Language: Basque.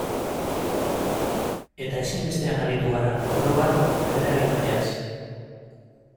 Eta ezinbestean aritu gara, orobat, errealitateaz.